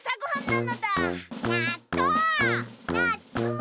なっとう！